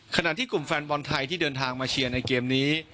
ขณะที่กลุ่มแฟนบอลไทยที่เดินทางมาเชียร์ในเกมนี้